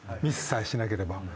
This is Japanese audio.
ミスさえしなければ。